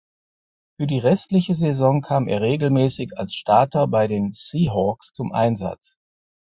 Für die restliche Saison kam er regelmäßig als Starter bei den Seahawks zum Einsatz.